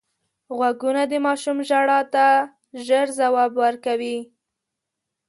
غوږونه د ماشوم ژړا ته ژر ځواب وايي